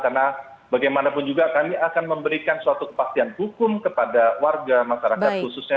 karena bagaimanapun juga kami akan memberikan suatu kepastian hukum kepada warga masyarakat khususnya